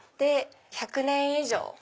１００年以上。